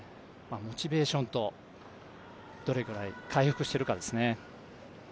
モチベーションとどれくらい回復しているかですね。